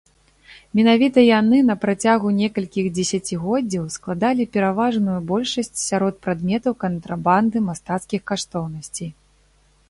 Менавіта яны на працягу некалькіх дзесяцігоддзяў складалі пераважную большасць сярод прадметаў кантрабанды мастацкіх каштоўнасцей.